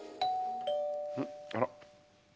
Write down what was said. あら？